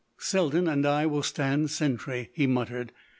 "Selden and I will stand sentry," he muttered.